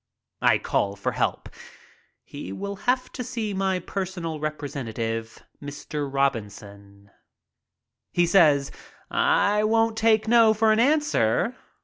I call for help. He will have to see my personal repre sentative, Mr. Robinson. He says, "I won't take no for an answer."